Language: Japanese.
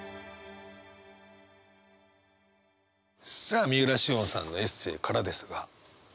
さあ三浦しをんさんのエッセーからですが。